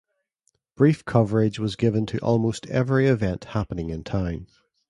Brief coverage was given to almost every event happening in town.